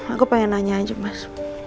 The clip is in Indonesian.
aku pengen nanya aja mas